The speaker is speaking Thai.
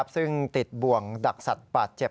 ซึ่งติดบ่วงดักสัตว์ป่าเจ็บ